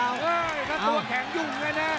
เฮ้ยแล้วตัวแข็งยุ่งเลยนะ